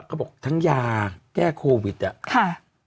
ก็บอกทั้งยาแก้โควิดอ่ะ